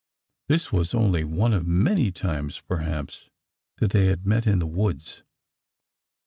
... This was only one of many times, perhaps, that they had met in the woods.